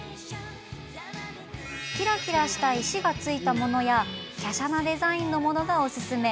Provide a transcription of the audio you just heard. キラキラした石がついたものやきゃしゃなデザインのものがおすすめ。